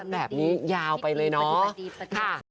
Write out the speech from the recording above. แบบนี้ยาวไปเลยเนาะ